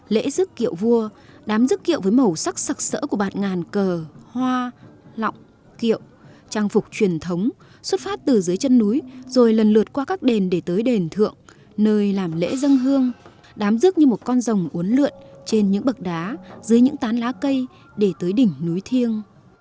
lễ rước kiệu vua đám rước kiệu với màu sắc sạc sỡ của bạt ngàn cờ hoa lọng kiệu trang phục truyền thống xuất phát từ dưới chân núi rồi lần lượt qua các đền để tới đền thượng nơi làm lễ dân hương đám rước như một con rồng uốn lượn trên những bậc đá dưới những tán lá cây để tới đỉnh núi thiêng